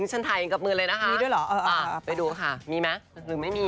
นี่ฉันถ่ายกับมือนะคะดูหรอแล้วฮ่าไปดูค่ะมีไหมหรือไม่มี